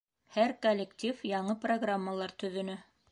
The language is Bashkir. Һәр коллектив яңы программалар төҙөнө.